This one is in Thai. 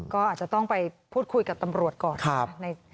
ก็อาจจะต้องไปพูดคุยกับตำรวจก่อน